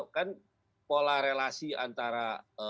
kan pola relasi antara